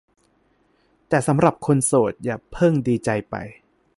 แต่สำหรับคนโสดอย่าเพิ่งดีใจไป